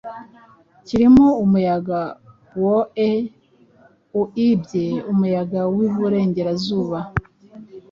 kirimo umuyaga woe, uibye umuyaga wiburengerazuba,